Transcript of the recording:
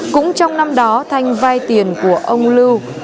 cũng trong năm đó thanh vay tiền của ông lưu